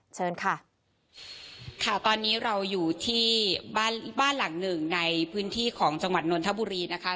เชิญค่ะค่ะตอนนี้เราอยู่ที่บ้านบ้านหลังหนึ่งในพื้นที่ของจังหวัดนนทบุรีนะคะ